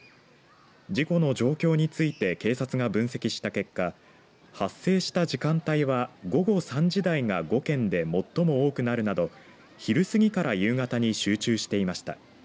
事故の状況について警察が分析した結果発生した時間帯は午後３時台が５件で最も多くなるなど昼過ぎから夕方に集中していました。